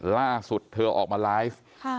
ล่าสุดเธอออกมาไลฟ์